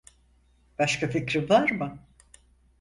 Başka fikrin var mı?